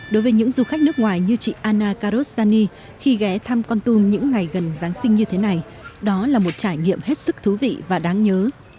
đối với những du khách nước ngoài như chị anna karostani khi ghé thăm con tum những ngày gần giáng sinh như thế này đó là một trải nghiệm hết sức thú vị và đáng nhớ